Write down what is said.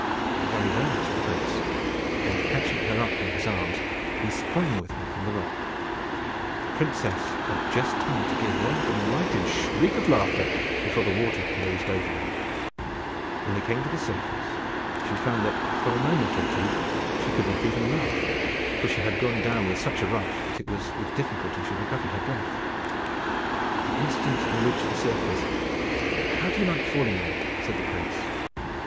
"Very well," said the prince; and, catching her up in his arms, he sprang with her from the rock. The princess had just time to give one delighted shriek of laughter before the water closed over them. When they came to the surface, she found that, for a moment or two, she could not even laugh, for she had gone down with such a rush, that it was with difficulty she recovered her breath. The instant they reached the surface "How do you like falling in?" said the prince.